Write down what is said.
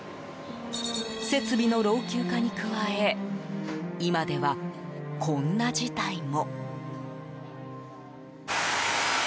設備の老朽化に加え今では、こんな事態も。